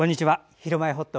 「ひるまえほっと」